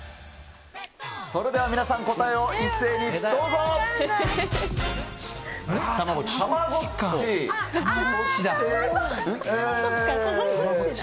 それでは皆さん、答えを一斉たまごっち。